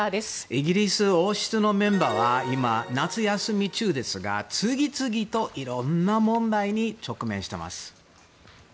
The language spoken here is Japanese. イギリス王室のメンバーは今夏休み中ですが次々といろんな問題に直面しています。